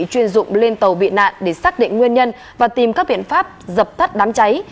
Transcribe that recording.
chuyên dụng lên tàu bị nạn để xác định nguyên nhân và tìm các biện pháp dập tắt đám cháy